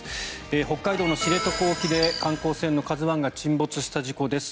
北海道の知床沖で観光船の「ＫＡＺＵ１」が沈没した事故です。